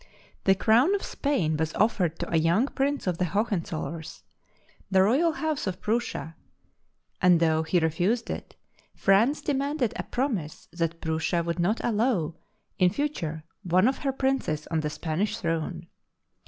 The Crown of Spain was offered to a young prince of the Hohenzollerns, the royal house of Prussia, and though he refused it, France de manded a promise that Prussia would not allow, in future, one of her princes on the Spanish throne.